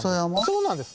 そうなんです！